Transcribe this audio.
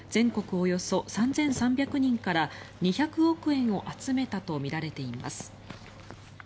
およそ３３００人から２００億円を集めたとみられています。